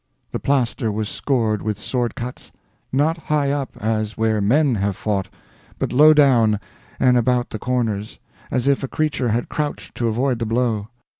The plaster was scored with sword cuts; not high up as where men have fought, but low down, and about the corners, as if a creature had crouched to avoid the blow.